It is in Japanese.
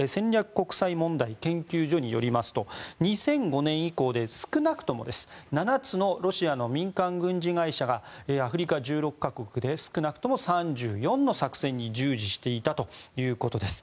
国際問題研究所によりますと２００５年以降で少なくとも７つのロシアの民間軍事会社がアフリカ１６か国で少なくとも３４の作戦に従事していたということです。